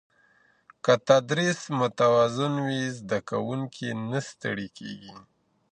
که تدریس متوازن وي، زده کوونکی نه ستړی کېږي.